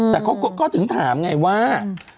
แต่เขาก็ถึงถามไงว่า